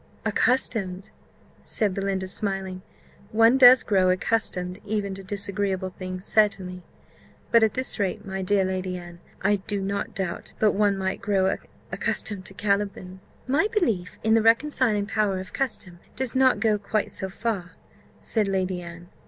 "Accustomed!" said Belinda, smiling: "one does grow accustomed even to disagreeable things certainly; but at this rate, my dear Lady Anne, I do not doubt but one might grow accustomed to Caliban." "My belief in the reconciling power of custom does not go quite so far," said Lady Anne.